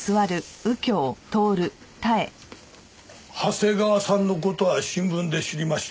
長谷川さんの事は新聞で知りました。